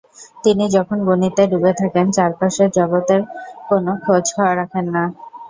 তিনি যখন গণিতে ডুবে থাকেন, চারপাশের জগতের কোনো খোঁজ রাখেন না।